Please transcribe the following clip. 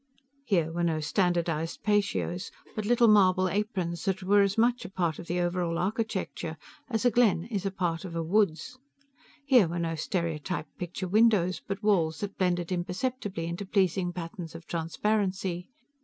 Here were no standardized patios, but little marble aprons that were as much a part of the over all architecture as a glen is a part of a woods. Here were no stereotyped picture windows, but walls that blended imperceptibly into pleasing patterns of transparency.